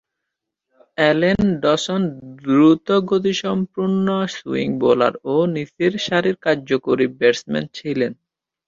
Allen Dawson দ্রুতগতিসম্পন্ন swing bowler ও নিচেরসারির কার্যকরী ব্যাটসম্যান ছিলেন।